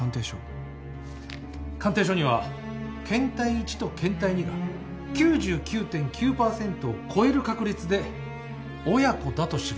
鑑定書には検体１と検体２が９９．９％を超える確率で親子だと記されています。